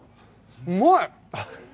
うまい！